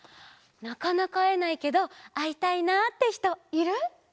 なかなかあえないけどあいたいなってひといる？